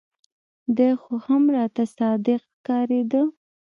دى خو هم راته صادق ښکارېده.